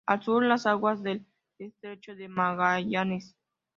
Al sur, las aguas del estrecho de Magallanes.